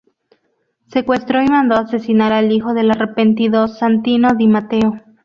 Secuestró y mandó asesinar al hijo del "arrepentido" Santino di Matteo.